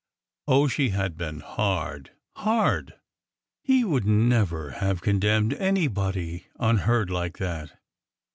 ... Oh, she had been hard — hard! He would never have con demned anybody unheard like that!